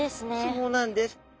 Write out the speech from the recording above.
そうなんです。